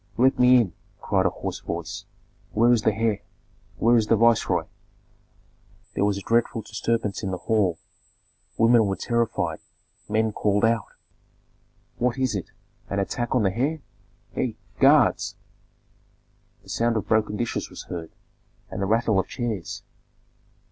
"Let me in!" cried a hoarse voice. "Where is the heir? Where is the viceroy?" There was a dreadful disturbance in the hall. Women were terrified; men called out, "What is it? An attack on the heir! Hei, guards!" The sound of broken dishes was heard, and the rattle of chairs.